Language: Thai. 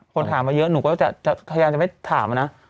คนถามมาเยอะหนูก็จะพยายามจะไม่ถามนะ